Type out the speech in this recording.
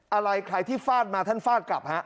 อะไรใครที่ฟาดมาท่านฟาดกลับฮะ